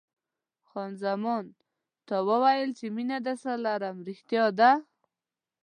خان زمان: تا وویل چې مینه درسره لرم، رښتیا وایې؟